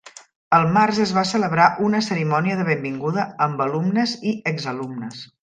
Al març es va celebrar una cerimònia de benvinguda amb alumnes i exalumnes.